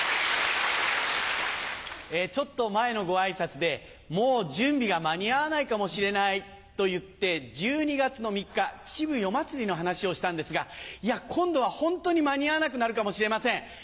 ちょっと前のご挨拶で「もう準備が間に合わないかもしれない」と言って１２月の３日秩父夜祭の話をしたんですが今度はホントに間に合わなくなるかもしれません。